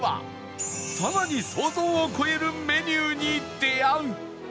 更に想像を超えるメニューに出会う